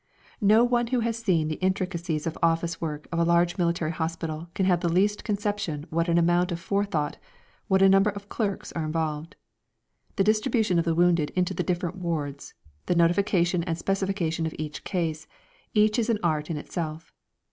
No one who has not seen the intricacies of the office work of a large military hospital can have the least conception what an amount of forethought, what a number of clerks are involved. The distribution of the wounded into the different wards, the notification and specification of each case each is an art in itself.